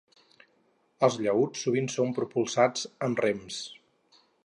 Els llaüts sovint són propulsats amb rems.